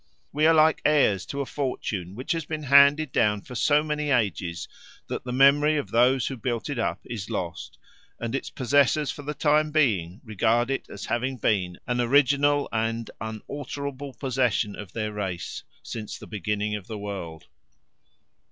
We are like heirs to a fortune which has been handed down for so many ages that the memory of those who built it up is lost, and its possessors for the time being regard it as having been an original and unalterable possession of their race since the beginning of the world.